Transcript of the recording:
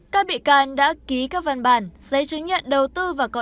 các bị can đã ký các văn bản giấy chứng nhận đầu tư và có ý kiến